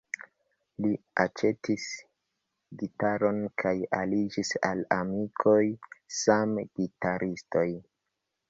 Li aĉetis gitaron kaj aliĝis al amikoj, same gitaristoj.